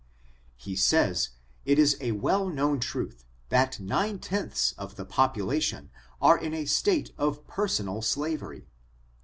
He says, it is a well known truth, that mne tenths of the population are in a state of personal slavery.